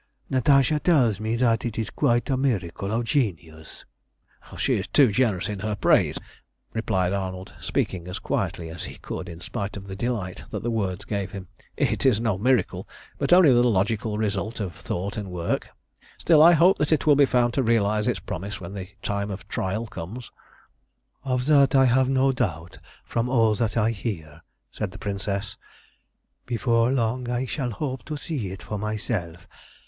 Natasha tells me that it is quite a miracle of genius." "She is too generous in her praise," replied Arnold, speaking as quietly as he could in spite of the delight that the words gave him. "It is no miracle, but only the logical result of thought and work. Still, I hope that it will be found to realise its promise when the time of trial comes." "Of that I have no doubt, from all that I hear," said the Princess. "Before long I shall hope to see it for myself.